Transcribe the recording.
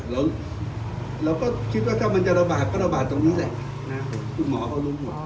เราก็คิดว่าถ้ามันจะระบาดก็ระบาดตรงนี้แหละคุณหมอเขารู้หมด